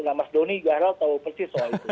nah mas doni gahral tahu persis soal itu